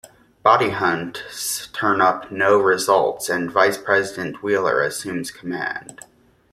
Body hunts turn up no results and Vice President Wheeler assumes command.